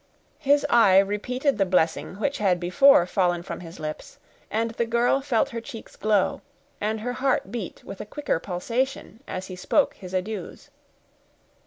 His eye repeated the blessing which had before fallen from his lips, and the girl felt her cheeks glow, and her heart beat with a quicker pulsation, as he spoke his adieus.